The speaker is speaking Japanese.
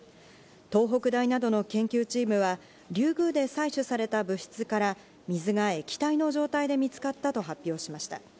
東北大などの研究チームはリュウグウで採取された物質から水が液体の状態で見つかったと発表しました。